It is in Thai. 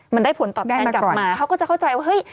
มันได้ผลตอบแทนกลับมาเขาก็จะเข้าใจว่าเฮ้ย